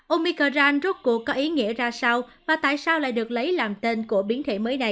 omicron rốt cuộc có ý nghĩa ra sao và tại sao lại được lấy làm tên của biến thể mới này